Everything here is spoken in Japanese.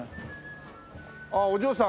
あっお嬢さん